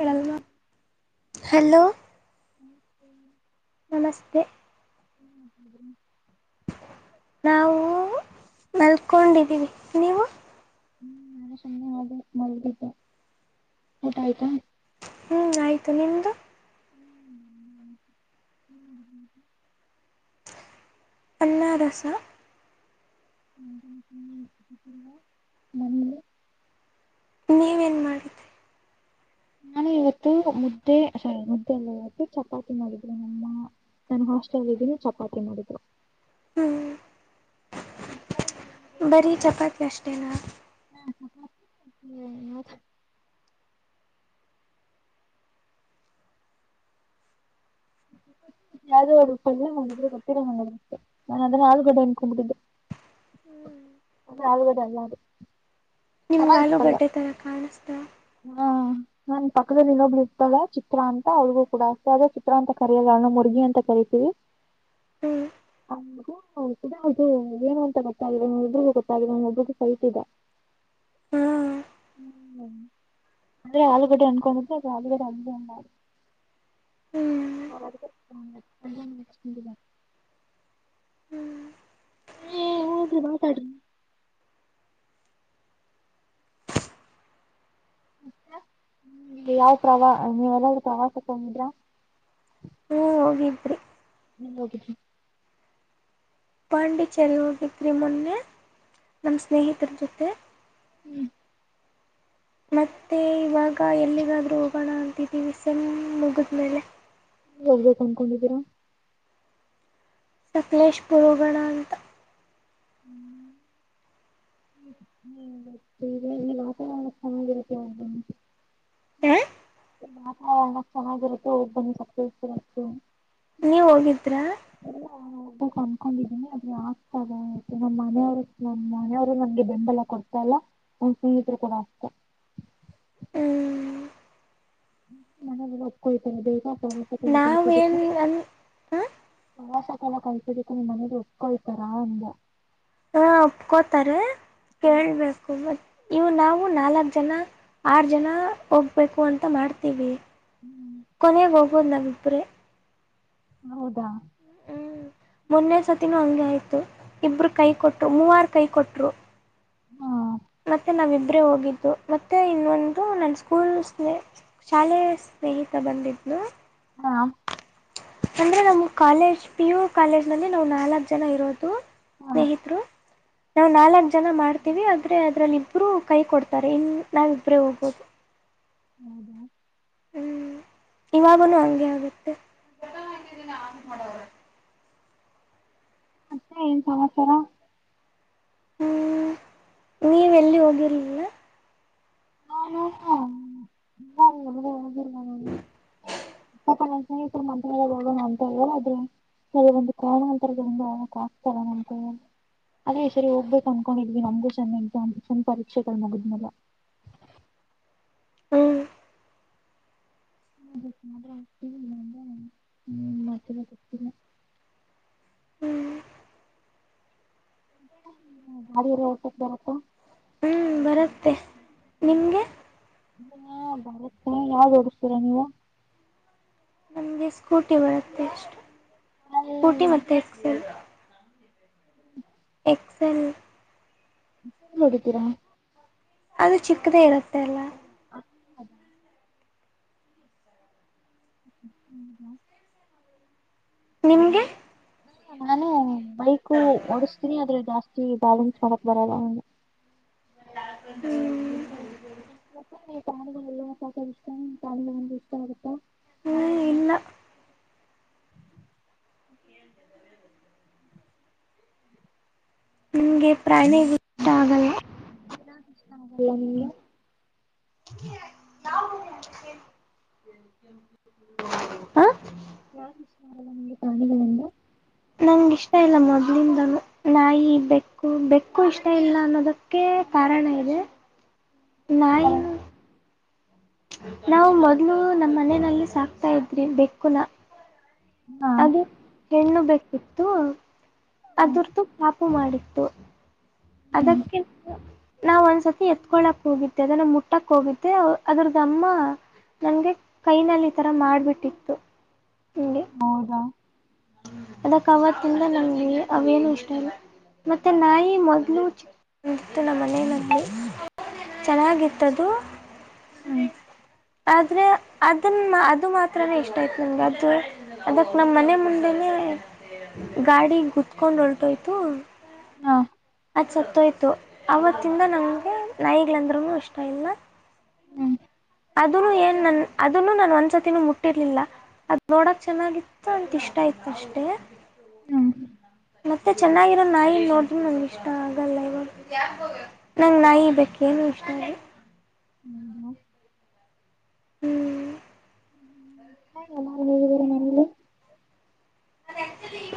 ಹ್ಮ್ hello ಹ್ಞೂ ಹ್ಞೂ ನಮಸ್ತೆ ಹ್ಮ್ ಹ ನಾವು ಮಲ್ಕೊಂಡಿದ್ದೀವಿ ನೀವು ಹ್ಮ್ ನಾನ ಸುಮ್ಮನೆ ಹ ಮಲ್ಗಿದ್ದ ಊಟ ಆಯ್ತಾ ಹ್ಞೂ ಆಯತು ನಿಮ್ಮದು ಅನ್ನಾರಸ ಹ ಹ ಮಮ್ಮಲಿ ನೀವೇನು ಮಾಡಿ ನಾನು ಇವತ್ತು ಮುದ್ದೆ ಸಾರಿ ಮುದ್ದೆಲ್ಲ ಇವತ್ತು ಚಪಾತಿ ಮಾಡಿದ್ದೇ ನಮ್ಮ ನಾನನ್ ಹಾಸ್ಟೆಲ್ ಇದನಿ ಚಪಾತಿ ಮಾಡಿದ್ರು ಹ್ಮ್ ಬರೀ ಚಪಾತಿ ಅಷ್ಟೇನಾ ಹ ಯಲ್ಲೇ ಮಾಡಿದ್ರ ಗೊತ್ತಿರಾಂಗಿದೆ ನಾನು ಅದನ್ನ ಆಲೂಗಡೆ ಅನ್ಕೊಂಡ್ಬಿಟ್ಟಿದ್ದೆ [inaudible] ಅ ಆದಲ್ಲ [inaudible] ನಿಮ್ಗ ಆಲೂಗಡ್ಡೆ ತರ ಕಾಣಿಸ್ತ ಹಾ ನಾನ್ ಪಕ್ಕದಲ್ಲಿ ಇನ್ನೊಬ್ಬಳು ಇರ್ತದೆ ಚಿತ್ರಾ ಅಂತ ಅವಳಿಗೂ ಕೂಡ ಅಷ್ಟೇ ಚಿತ್ರ ಅಂತ ಕರಿಯಲ್ಲ ಮುರ್ಗಿ ಅಂತ ಕರಿತೀವಿ ಹ್ಮ್ ಡದು ಏನು ಅಂತ ಗೊತ್ತಾಗಿದೆ ಒಬ್ಬರಿಗೂ ಗೊತ್ತಾಗಿದೆ ಒಬ್ಬಗೂ ಸಹಿತತಿದ್ದ ಹ್ಮ ಹ್ಮ ಅದೇ ಆಲೂಗಡ್ಡ ಅನುಕೊಂಡ ಆಲೂಗಡ ಅಂದೂ ಉ ಹ್ಞೂ ಹ್ಞೂ ಹರ ಹ್ಞೂ ಹ್ಮ್ ಊದಿ ಮಾತಾಡ್ರಿ ಯಾವ ಪ್ರವಾ ನೀವೆಲ್ಲೂ ಪ್ರವಾಸಕ್ಕೆೊಂಡಿದ್ರಾ ಹ್ಮ ಹೋಗಿದ್ರಿ ಹ ಹೋಗ ಪಾಂಡಿಚರಿ ಹೋಗಿದ್ರೆ ಮೊನ್ನೆ ನಮ್ಮ ಸ್ನೇಹಿತರ ಜೊತೆ ಹ್ಮ್ ಮತ್ತೆ ಇವಾಗ ಎಲ್ಲಿಗಾದ್ರೂ ಹೋಗೋಣ ಅಂತಿದ್ದೀಿ ಸೆಮ್ಮ್ ಮುಗಿದ್ಮೇಲೆ ಹೋಗ ಅನ್ಕೊಂಡಿದ್ದೀರಾ [inaudible] ಸಕಲೇಶ್ ಪುರೋಗಣ ಅಂತ ಹ್ಮ್ ಹ್ಮ ವಾತವರಣ ಸಮಕ್ಕೆ ಆ ಹ ವಾತವರಣ ಸಮನ್ನಾಗಿರುತ್ತ ಹೋಗ ಬಂದತು ನೀವ್ ಹೋಗಿದ್ರಾ ಎಲ್ಲ ಹೋಗ್ಬೇಕು ಅನ್ಕೊಂಡಿದೀನಿ ಆದ್ರೆ ಆಗ್ತದೆ ಆಯ್ತು ನಮ್ಮ್ ಮನೆಯವರು ನಮ್ಮ್ ಮನೆಯವರು ನಮಗೆ ಬೆಂಬಲ ಕೊಡ್ತಲ್ಲ ಒ ಸುಂಗಿತರೆ ಕೂಡ ಆಗ್ತ ಹ್ಮ್ ಮಬ್ಕ ಇತ ಬಗ ಕಸತ ನಾವೇನು ಅನ್ ಹ ಪ್ರವಾಸಕ್ಕೆಲ್ಲ ಕಲ್ಸೋದಕ್ಕೆ ನಿಮ್ ಮನೆೇ್ ಒಪ್ಕೊಳ್ತಾರಾ ಅಂದ ಹ್ಮ ಒಪ್ಕೋತಾರೆ ಕೇಳ್ಬೇಕು ಮ ಇವು ನಾವು ನಾಲ್ಕ್ ಜನ ಆರ್ ಜನ ಹೋಗ್ಬೇಕು ಅಂತ ಮಾಡ್ತೀವಿ ಕೊನಾಗ ಹೋಗ್ಬೋದ್ ನಾವಿಬ್ರೆ ಹೌದಾ ಹ್ಮ್ ಮೊನ್ನೆ ಸರ್ತಿನೂ ಹಂಗ ಆಯ್ತು ಇಬ್ರು ಕೈ ಕೊಟ್ರು ಮೂವಾರ ಕೈ ಕೊಟ್ರು ಹಾ ಮತ್ತೆ ನಾವಿಬ್ರೇ ಹೋಗಿದ್ದು ಮತ್ತೆ ಇನ್ನೊಂದು ನನ್ನ ಸ್ಕೂಲ್ ಸ್ನೇ ಶಾಲೆಯ ಸ್ನೇಹಿತ ಬಂದಿದ್ಳು ಹಾ ಅಂದ್ರೆ ನಮ್ ಕಾಲೇಜ್ ಪಿ ಯು ಕಾಲೇಜ್ ನಲ್ಲಿ ನಾವು ನಾಲ್ಕ ಜನ ಇರೋದು ಹಾಂ ಸ್ನೇಹಿತರು ನಾವು ನಾಲ್ಕ ಜನ ಮಾಡ್ತೀವಿ ಆದ್ರೆ ಅದ್ರಲ್ಲಿ ಇಬ್ರು ಕೈ ಕೊಡ್ತಾರೆ ಇನ್ ನಾವ ಇಬ್ರೇ ಹೋಗ್ಬೋದು ಹೌದಾ ಹ್ಮ್ ಇವಾಗನುೂ ಹಂಗೆ ಆಗುತ್ತೆ ಹ್ಮ್ [inaudible] ಮತ್ತೆ ಏನ್ ಸಮಾಚಾರ ಹ್ಮ್ ನೀವ ಎಲ್ಲಿ ಹೋಗಿರ್ಲಿಲ್ಲ ಹಾ ನಾ ನ [inaudible] [unintelligible] ಸ್ನೇಹಿತರ ಮಂತ್ರಾಲಯ ಹೋಗೋಣ ಅಂಥಾವ್ರೆ ಏನಾಯ್ತ್ರೀ ಸ ಒಂದು ಕೋ ಅಂತ ಇದ್ರಕ್ ಆಾಕ್ತರಂತ [inaudible] ಅದೇ ಈ ಸರಿ ಹೋಗ್ಬೇಕು ಅನ್ಕೊಂಡಿದ್ವಿ ನಮ್ಗು ಚಂದ ಇಂತ ಅಂತ ಚಂದ ಪರೀಕ್ಷೆಗಳು ಮುಗುದ್ಮೇಲೆ ಹ್ಮ್ ಹ್ಮ ಆಗ್ ಹ್ಮ ಮಾಡ [inaudible] ಹ್ಮ್ ಹ್ಮ ಗಾಡಿಯ ಎಲ್ಲ ಹೊಬತ್ತಾ ಪಾ [unintelligible] ಹ್ಞೂ ಬರುತ್ತೆ ನಿಮಗೆ ನಮಗೆ ಬರುತ್ತೆ ಯಾವುದು ಹೊಡಿಸತೀರಾ ನೀವು ನಮಗೆ ಸ್ಕೂಟಿ ಬರುತ್ತೆ ಅಷ್ಟು ಸ್ಕೂಟಿ ಏನ್ ಮತ್ತೆ ಎಕ್ಸೆಲ್ ಎಕ್ಸಲ್ ನೋಡಿದ್ದೀರಾ [unintelligible] ಅದು ಚಿಕ್ಕದೇ ಇರುತ್ತೆ ಅಲ್ಲ [unintelligible] [inaudible] ಹ್ಮ ಹಾ ನಿಮಗೆ ಹ್ಮ ನಾನು ಬೈಕ್ ಓಡಸ್ತೀನಿ ಆದ್ರೆ ಜಾಸ್ತಿ ಬ್ಯಾಲೆನ್ಸ್ ಮಾಡಕ್ ಬರಲ್ಲ ಹ [unintelligible] ಮ ತಾಳಲ್ಲ ಸಾಕ ಇಷ್ಟ ತ ಒಂದು ಇಷ್ಟ ಆಗುತ್ತಾ [unintelligible] ಹ ಇಲ್ಲ ಹ [inaudible] [inaudible] ನಮಗೆ ಪ್ರಾಣಿ ಇಷ್ಟ ಆಗಲ್ಲ [unintelligible] ಯಾಕ ಇಷ್ಟ ಆಗಲ್ಲ ನಿಂಗ್ ನಾೇ [unintelligible] ಹ [unintelligible] ಹಾ ಯಾಕಿಷ್ಟ ಆಗಲ್ಲ ನಿಮಗೆ ಪ್ರಾಣಿಗಳಂದ್ರೆ ನಂ ಇಷ್ಟ ಇಲ್ಲ ಮೊದ್ಲಿಂದ ನಾಯಿ ಬೆಕ್ಕು ಬೆಕ್ಕು ಇಷ್ಟ ಇಷ್ಟ ಇಲ್ಲ ಅನ್ನೋದಕ್ಕೆ ಕಾರಣ ಇದೆ ನೈಯನ್ ನಾವು ಮೊದ್ಲು ನಮ್ಮ ಮನೆಯಲ್ಲಿ ಸಾಕ್ತಾ ಇದ್ರಿ ಬೆಕ್ಕು ನ ಹಾ ಅದು ಹೆಣ್ಣು ಬೆಕ್ಕಯಿತ್ತು ಅದರ್ದು ಪಾಪು ಮಾಡಿತ್ತು ಅದಕ್ಕೆ ನಾವ ಒಂದ್ಸ ಎತ್ಕೊಳ್ಳಕ್ ಹೋಗಿೆ ಅದನ್ನ ಮುಟ್ಟಕ್ ಹೋಗಿದ್ದೇ ಅದ್ರದಮ್ಮ ನನಗೆ ಕೈನಲ್ಲಿ ಈ ಥರ ಮಾಡಿಬಿಟ್ಟಿತ್ತು ಹೌದಾ ಅದಕ್ ಅವತಿಂದ ನಂಗೆ ಅವೇನು ಇಷ್ಟ ಇಲ್ಲ ಮತ್ತೆ ನಾಯಿ ಮೊದಲು ಚಿಕ್ಕದ ಇತ್ತು ನಮ್ಮ ಮನೆನಲ್ಲಿ ಚೆನ್ನಾಗಿತ್ತದು ಹ್ಮ್ ಆದ್ರೆ ಅದನ್ನ ಅದು ಮಾತ್ರೇ ಇಷ್ಟ ಆಯ್ತು ನನ್ಗೆ ಅದು ಅದಕ್ ನಮ್ಮ್ ಮನೆ ಮುಂದ ಮೇಲೆ ಗಾಡಿ ಗತ್ಕೊಂಡ್ ಹೊಲ್ಟೋಯ್ತು. ನೊ ಅದು ಸತ್ತೋಯ್ತು ಆವತ್ತಿಂದ ನಂಗೆ ನಾಯಿಗಳಂದ್ರೂ ಇಷ್ಟ ಇಲ್ಲ. ಹ್ಮ್ ಅದನು ಏನ್ ನನ್ ಅದನ್ನು ನಾನ ಒಂದ್ಸತಿನೂ ಮುಟ್ಟಿರ್ಲಿಲ್ಲ. ಅದ್ ನೋಡಕ್ ಚೆನ್ನಾಗಿತ್ತು ಅಂತ ಇಷ್ಟ ಇತ್ತು ಅಷ್ಟೇ. ಮತ್ತೆ ಚೆನ್ನಾಗಿರೋ ನಾಯಿ ನೋಡ್ರರು ನನ್ಗೆ ಇಷ್ಟ ಆಗಲ್ಲ ಇವ. ನಂಗೆ ನಾಯಿ ಬೇಕ್ಕ್ ಏನು ಇಷ್ಟಾ ಇಲ್ಲಾ. ಹು ಮತ್ತ್. ಹು ಇಷ್ಟಾ ಇಲ್ಲಾ ಇವರ ಮನೇಲಿ.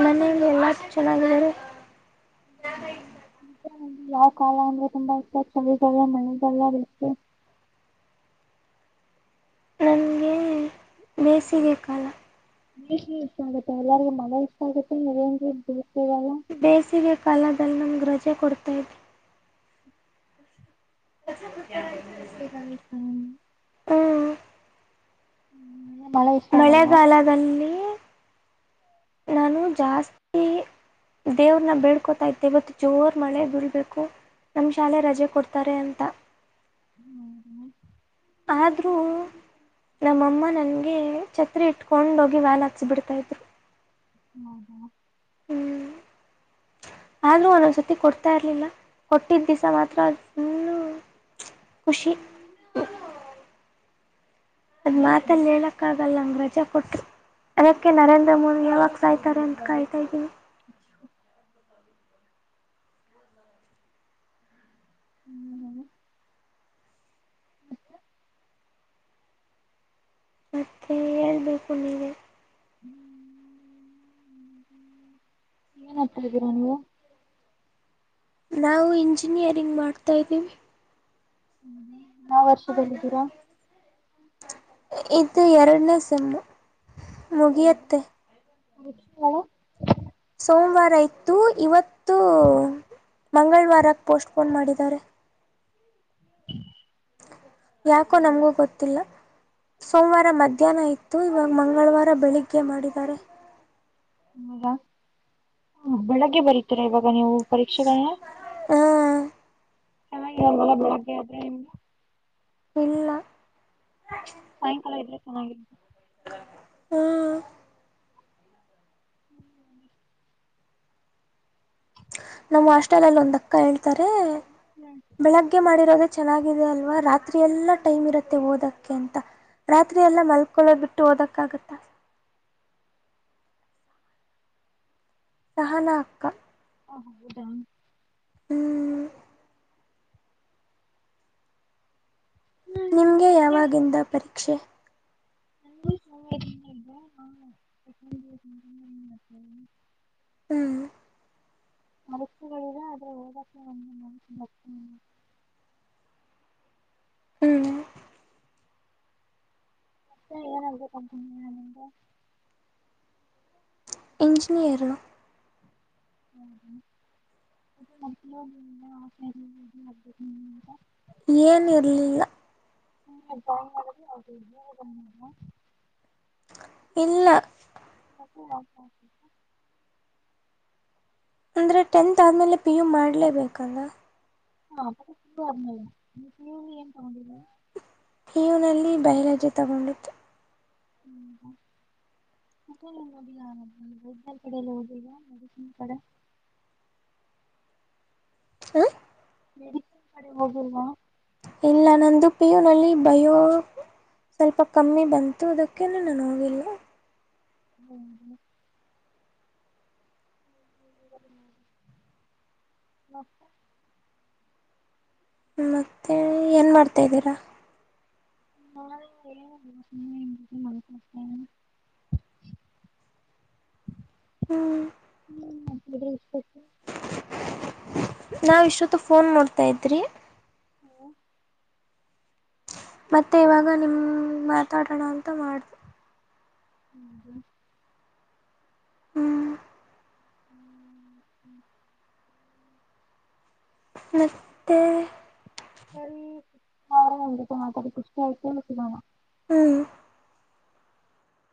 ಮನೆಯಲ್ಲಿ ಎಲ್ಲುರು ಚೆನ್ನಾಗಿದಾರೆ. ಯಾವ ಕಾಲ ಅಂದ್ರೆ ತುಂಬಾ ಇಷ್ಟ ಚಳಿಗಾಲ ಮಳೆಗಾಲಾ ಬೇಸಿಗೆ. ನಂಗೆ ಬೇಸಿಗೆ ಕಾಲ. ನೀ ಇಷ್ಟ ಆಗುತ್ತೆ ಎಲ್ಲರಿಗೂ ಮಳೆ ಇಷ್ಟ ಆಗುತ್ತೆ ನೀಮಗೆ ಬೇಸಿಗೆಗಲಾ. ಬೇಸಿಗೆ ಕಾಲದಲ್ಲಿ ನಮ್ಗೆ ರಜೆ ಕೊಡ್ತಾ ಇದೆ. [inaudible] [inaudible] ಹು ಹು ಮಳೆ ಇಷ್ಟ ಆಗಲ್ವಾ ಮಳೆಗಾಲದಲ್ಲಿ ನಾನು ಜಾಸ್ತಿ. ದೇವ್ರನ್ನ ಬೆಳ್ಕೋತಾ ಇದ್ದೆ ಇವತ್ತು ಜೋರ್ ಮಳೆ ಬಿಳ್ಬೇಕು. ನಮ್ಮ ಶಾಲೆ ರಜೆ ಕೊಡ್ತಾರೆ ಅಂತ. ಹು ಹು ಆದ್ರೂ ನಮ್ಮಅಮ್ಮ ನನಗೆ ಛತ್ರೆ ಇಟ್ಕೊಂಡ ಹೋಗಿ ವ್ಯಾಲ್ ಹಚ್ಸಿ ಬಿಡ್ತಾ ಇದ್ರು. ಹು ಹು ಹು ಆದ್ರೂ ಒಂದೊಂದ್ಸರ್ತಿ ಕೊಡ್ತಾ ಇರ್ಲಿಲ್ಲ ಕೊಟ್ಟಿದ್ದ ದಿವಸಾ ಮಾತ್ರ ಫುಲ್ಲು ಪ್ಚ್ ಖುಷಿ ಅದ್ ಮಾತಲ್ಲಿ ಹೇಳಕ್ಕಾಗ ಓಟನಲ್ಲ ಅಂಗ ರಜೆ ಕೊಟ್ಟಿ ಅದಕ್ಕೆ ನರೇಂದ್ರ ಮೋದಿ ಯಾವಾಗ ಸಾಯ್ತಾರೆ ಅಂತ ಕಾಯತಾ ಇದ್ದೀನಿ. ಹೌದಾ ಮತ್ತೆ ಹೇಳ್ಬೇಕು ನೀವೆ. ಏನ್ ಒಡತ್ತಾಇದಿರಾ ನೀವು ನಾವು ಇಂಜಿನಿಯರಿಂಗ್ ಮಾಡ್ತಾ ಇದೀವಿ. ಹು ನಾ ವರ್ಷದಲ್ಲ ಇದಿದ್ದೀರಾ. ಇದು ಎರಡನಸಮ್ಮ ಮುಗಿಯತ್ತೆ. ಎಷ್ಟು. ಸೋಮವಾರ ಇತ್ತು ಇವತ್ತು ಮಂಗಳವಾರಕ್ಕ ಪೋಸ್ಟ್ ಪೋನ್ ಮಾಡಿದ್ದಾರೆ. ಯಾಕೋ ನಂಗು ಗೊತ್ತಿಲ್ಲ. ಸೋಮವಾರ ಮಧ್ಯಾಹ್ನ ಇತ್ತು ಇವಾಗ ಮಂಗಳವಾರ ಬೆಳಿಗ್ಗೆ ಮಾಡಿದ್ದಾರೆ. ಹೌದಾ ಬೆಳಿಗ್ಗೆ ಬರತೀರಾ ಇವಾಗ ನೀವು ಪರೀಕ್ಷೆಗಳನ್ನ. ಹು. ಚನ್ನಾಗಿಗಲ್ಲ ಬೆಳಗ್ಗೆ ಆದ್ರೆ ಎ. ಇಲ್ಲಾ. ಸಾಯಂಕಾಲ ಇದ್ರೆ ಚೆನ್ನಾಗಿ ಹ್ಮ್ ನಮ್ಮ್ ಹಾಸ್ಟೆಲ್ ಅಲ್ಲಿ ಒಂದ ಅಕ್ಕ ಹೇಳ್ತಾರೆ ಬೆಳಗ್ಗೆ ಮಾಡಿರೋದ ಚೆನ್ನಾಗಿದೆ ಅಲ್ವಾ ರಾತ್ರಿಯೆಲ್ಲ ಟೈಮ್ ಇರುತ್ತೆ ಓದಕ್ಕೆ ಅಂತ ರಾತ್ರಿ ಎಲ್ಲ ಮಲ್ಕೊಳ್ಳೋ ಬಿಟ್ಟು ಓದಕ್ಕಾಗುತ್ತಾ ಸಹನಾ ಅಕ್ಕಾ ಹ್ಮ್ ಹೌದ ಹ್ಮ್ ಹ್ಮ್ ನಿಮಗೆ ಮತ್ತೆ ಯಾವಾಗಿಂದ ಪರೀಕ್ಷೆ [inaudible] ಹ್ಮ್ [unintelligible] ಹ್ಮ್ ಏನ್ ಆಗಬೇಕು ಅಂತ ಅನ್ಕೊಂಡಿದ್ಯಾ ನೀನು ಎಂಜಿನಿಯಾರ್ [unintelligible] ಏನ ಇರ್ಲಿಲ್ಲ [inaudible] ಇಲ್ಲ ಹ್ಮ್ ಅಂದರೆ ಟೆಂತ್ ಆದಮೇಲೆ ಪಿ ಯು ಮಾಡಲೇಬೇಕಲ್ಲ [unintelligible] ಇವನಲ್ಲಿ ಬಹಿರಜೆ ತಗೊಂಡೆ [inaudible] ಮೆಡಿಕಲ್ ಕಡೆ ಹೋಗಿಲ್ವಾ ಮೆಡಿಸಿನ್ಸ್ ಕಡೆ ಹ ಮೆಡಿಕಲ್ ಕಡೆ ಹೋಗಿಲ್ವಾ ಇಲ್ಲ ನಂದು ಪಿಯುನಲ್ಲಿ ಬಯೋ ಸ್ವಲ್ಪ ಕಮ್ಮಿ ಬಂತು ಅದಕ್ಕೆ ನಾನು ಹೋಗಿಲ್ಲ [inaudible] ಹ್ಮ ಮತ್ತ ಏನು ಮಾಡ್ತಾದ್ದೀರಾ [unintelligible] ಹ್ಮ್ ಅದು ಬಿಟ್ರೆ [unintelligible] ನಾವು ಇಷ್ಟೊತ್ತು ಫೋನ್ ನೋಡ್ತಾ ಇದ್ರಿ ಹೂ ಮತ್ತೆ ಇವಾಗ ನಿಮ್ಮ ಮಾತಾಡೋಣ ಅಂತ ಮಾಡಿದೆ [inaudible] ಹ್ಮ್ [inaudible] ಮತ್ತೆ ಸರಿ ಆಯ್ತು ಮಾತಡಿ ಖುಷಿ ಆಯ್ತು ಸಿಗೋಣ ಹ್ಮ್